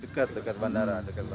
dekat dekat bandara